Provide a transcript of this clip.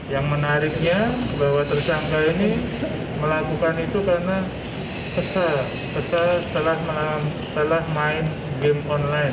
yang menariknya bahwa tersangka ini melakukan itu karena kesal kesal telah main game online